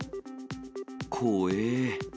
こええ。